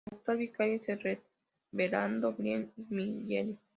El actual Vicario es el reverendo Brian McHenry.